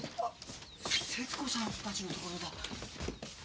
節子さんたちのところだ。